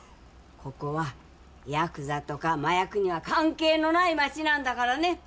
ここはやくざとか麻薬には関係のない街なんだからね。